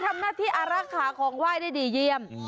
ทำหน้าที่อารักษาของไหว้ได้ดีเยี่ยม